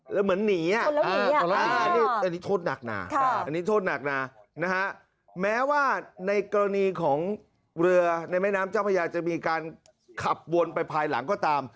แล้วเหมือนหนีอ่ะอันนี้โทษหนักหนานะฮะแม้ว่าในกรณีของเรือในแม่น้ำเจ้าพญาจะมีการขับวนไปภายหลังก็ตาม